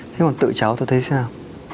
thế còn tự cháu tụi thấy thế nào